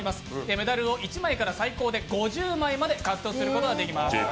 メダルを１枚から最高５０枚まで獲得できます。